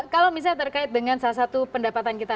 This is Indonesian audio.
kalau misalnya terkait dengan salah satu pendapatan kita